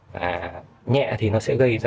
và nhẹ thì nó sẽ gây ra